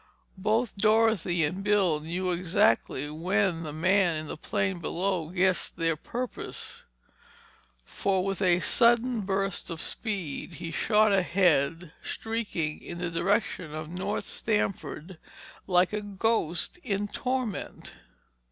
Both Dorothy and Bill knew exactly when the man in the plane below guessed their purpose. For with a sudden burst of speed he shot ahead, streaking in the direction of North Stamford like a ghost in torment.